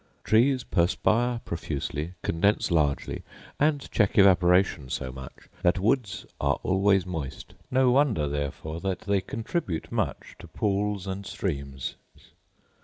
Trees perspire profusely, condense largely, and check evaporation so much, that woods are always moist: no wonder therefore that they contribute much to pools and streams.